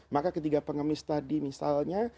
maka ketiga pengemis tadi misalnya